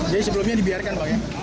jadi sebelumnya dibiarkan pak